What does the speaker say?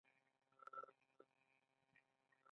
د سګرټ د پرېښودو لپاره د زنجبیل او لیمو ګډول وکاروئ